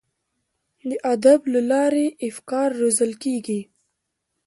د ادب له لارې افکار روزل کیږي.